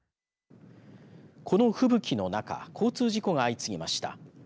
この吹雪の中交通事故が相次ぎました。